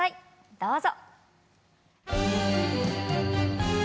どうぞ。